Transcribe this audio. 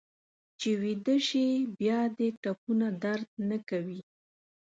چې ویده شې بیا دې ټپونه درد نه کوي.